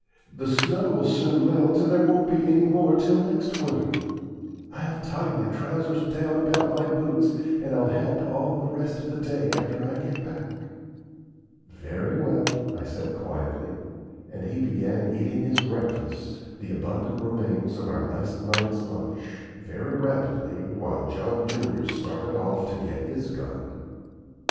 The snow will soon melt, and there won't be any more till next winter. I'll tie my trousers down about my boots, and I'll help all the rest of the day after I get back." "Very well," I said quietly: and he began eating his breakfast the abundant remains of our last night's lunch very rapidly, while John junior started off to get his gun.